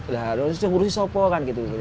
lah harusnya ngurusi siapa kan gitu